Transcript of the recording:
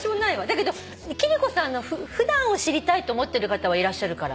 だけど貴理子さんの普段を知りたいと思ってる方はいらっしゃるから。